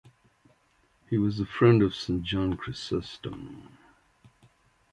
He was a friend of Saint John Chrysostom.